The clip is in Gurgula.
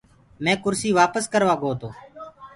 مينٚ ڪُرسي وآپس ڪروآ گو تو۔